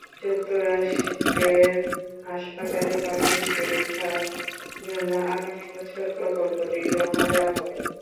যুক্তরাষ্ট্রের হাসপাতালে প্রাথমিক পরীক্ষার জন্য আগামী বছর প্রকল্পটি জমা দেওয়া হবে।